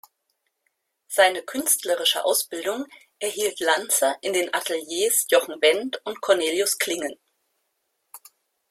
Seine künstlerische Ausbildung erhielt Lanser in den Ateliers Jochen Wendt und Cornelius Klingen.